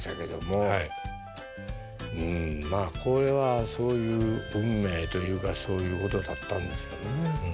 うんまあこれはそういう運命というかそういうことだったんですかね。